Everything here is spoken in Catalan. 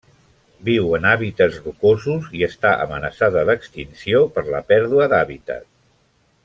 Viu en hàbitats rocosos i està amenaçada d'extinció per la pèrdua d'hàbitat.